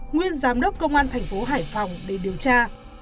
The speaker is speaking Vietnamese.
nguyên giám đốc công an thành phố hải phòng để điều tra